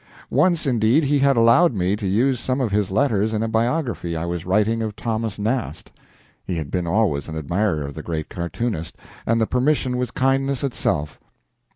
Once, indeed, he had allowed me to use some of his letters in a biography I was writing of Thomas Nast; he had been always an admirer of the great cartoonist, and the permission was kindness itself.